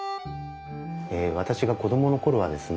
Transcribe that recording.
私が子供の頃はですね